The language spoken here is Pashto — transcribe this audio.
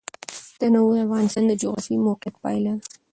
تنوع د افغانستان د جغرافیایي موقیعت پایله ده.